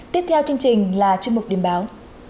tiếp theo chương trình là chương mục điểm báo